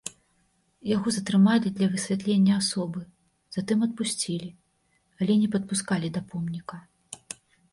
Яго затрымалі для высвятлення асобы, затым адпусцілі, але не падпускалі да помніка.